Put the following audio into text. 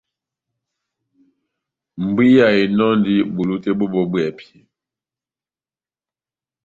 Mbúwa enɔhindi bulu tɛ́h bó bɔ́ bwɛ́hɛ́pi.